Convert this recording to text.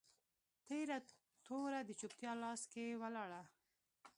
تیره توره د چوپتیا لاس کي ولاړه